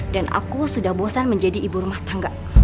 dan aku sudah bosan menjadi ibu rumah tangga